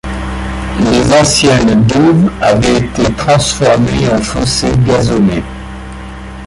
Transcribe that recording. Les anciennes douves avaient été transformées en fossés gazonnés.